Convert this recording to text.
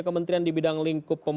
kementerian di bidang lingkup